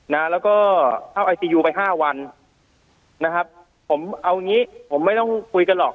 นะแล้วก็เข้าไอซียูไปห้าวันนะครับผมเอางี้ผมไม่ต้องคุยกันหรอก